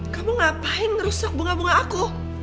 kamu ngapain ngerusak bunga bunga aku